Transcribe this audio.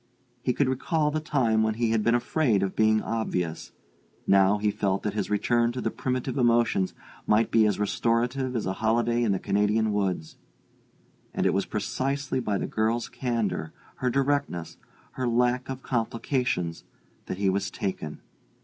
He could recall the time when he had been afraid of being obvious: now he felt that this return to the primitive emotions might be as restorative as a holiday in the Canadian woods. And it was precisely by the girl's candor, her directness, her lack of complications, that he was taken.